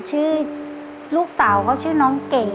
ชื่อลูกสาวเขาชื่อน้องเก่ง